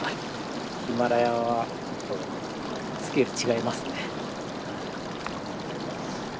ヒマラヤはスケール違いますね。